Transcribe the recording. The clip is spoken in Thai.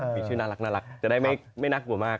มีชื่อน่ารักจะได้ไม่น่ากลัวมาก